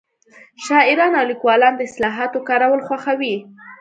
شاعران او لیکوالان د اصطلاحاتو کارول خوښوي